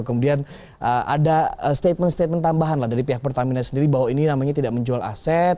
kemudian ada statement statement tambahan dari pihak pertamina sendiri bahwa ini namanya tidak menjual aset